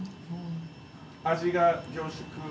・味が凝縮？